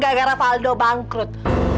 gak gara gara faldo bangkrut